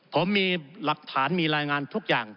ผมมีหลักฐานมีรายงานทุกอย่าง